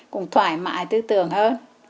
cũng thoải mái tư tưởng hơn